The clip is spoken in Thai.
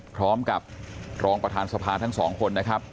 พร้อมกับรองประธานสภาทั้งสองคนนะครับ